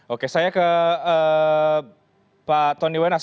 oke saya ke pak tony wenas